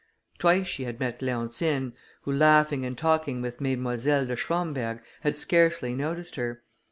Twice she had met Leontine, who, laughing and talking with Mesdemoiselles de Schwamberg, had scarcely noticed her.